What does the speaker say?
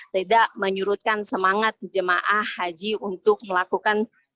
tidak menyurutkan semangat jemaah haji untuk melakukan